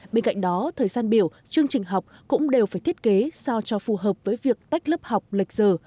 bên cạnh đó thời gian biểu chương trình học cũng đều phải thiết kế sao cho phù hợp với việc tách lớp học lệch giờ